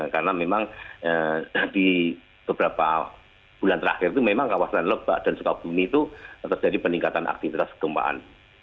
karena memang di beberapa bulan terakhir itu memang kawasan rupak dan sukabumi itu terjadi peningkatan aktivitas gempaan